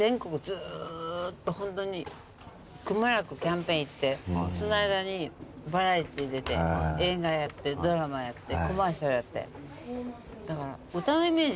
ずーっとホントにくまなくキャンペーン行ってその間にバラエティー出て映画やってドラマやってコマーシャルやって。